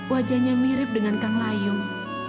wajahnya mirip dengan kang layung